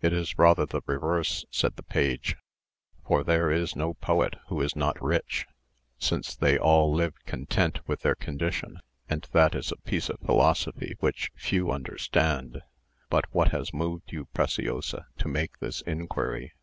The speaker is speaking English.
"It is rather the reverse," said the page, "for there is no poet who is not rich, since they all live content with their condition; and that is a piece of philosophy which few understand. But what has moved you, Preciosa, to make this inquiry?"